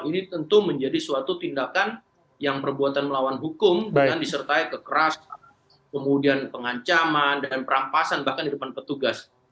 ini tentu menjadi suatu tindakan yang perbuatan melawan hukum dengan disertai kekerasan kemudian pengancaman dan perampasan bahkan di depan petugas